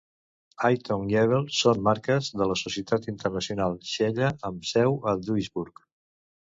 Ytong i Hebel són marques de la societat internacional Xella, amb seu a Duisburg.